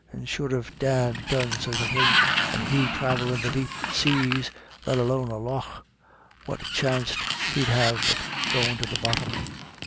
And sure if Dan done such a thing, and he travellin' the deep says, let alone a lough, what chanst 'ud he have but goin' to the bottom?